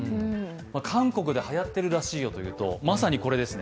韓国ではやっているらしいよというと、まさにこれですね。